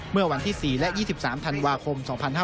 เมื่อวันที่๔และ๒๓ธันวาคม๒๕๕๙